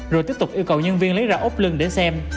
rồi tiếp tục yêu cầu nhân viên lấy ra ốp lưng để xem